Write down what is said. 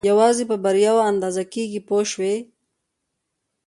یوازې په بریاوو اندازه کېږي پوه شوې!.